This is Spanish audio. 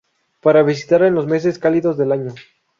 Para visitar en los meses cálidos del año.